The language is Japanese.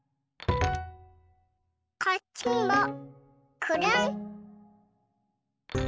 こっちもくるん。